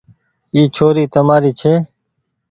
اي ڇوري تمآري ڇي۔